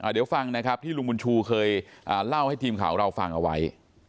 เดี๋ยวฟังนะครับที่ลุงบุญชูเคยเล่าให้ทีมข่าวของเราฟังเอาไว้